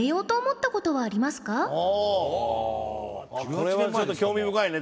これはちょっと興味深いね